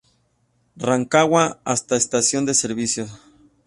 Rancagua hasta Estación de Servicios.